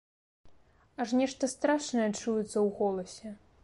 Аж нешта страшнае чуецца ў голасе.